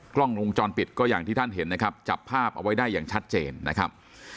กล้องวงจรปิดก็อย่างที่ท่านเห็นนะครับจับภาพเอาไว้ได้อย่างชัดเจนนะครับ